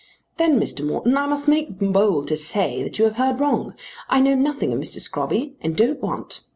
"Then, Mr. Morton, I must make bold to say that you have heard wrong. I know nothing of Mr. Scrobby and don't want.